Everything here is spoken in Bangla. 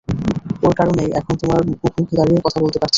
ওর কারণেই এখন তোমার মুখোমুখি দাঁড়িয়ে কথা বলতে পারছি।